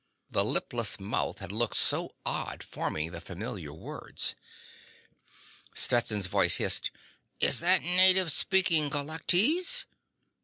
The lipless mouth had looked so odd forming the familiar words. Stetson's voice hissed: _"Is that the native speaking Galactese?"